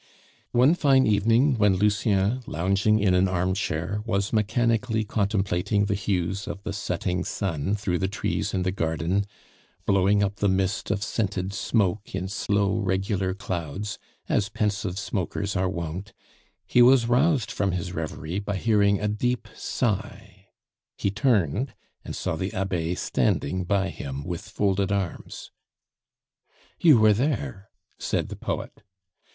One fine evening, when Lucien, lounging in an armchair, was mechanically contemplating the hues of the setting sun through the trees in the garden, blowing up the mist of scented smoke in slow, regular clouds, as pensive smokers are wont, he was roused from his reverie by hearing a deep sigh. He turned and saw the Abbe standing by him with folded arms. "You were there!" said the poet.